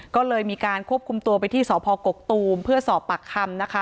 ก็เลยมีการควบคุมตัวไปที่สพกกตูมเพื่อสอบปากคำนะคะ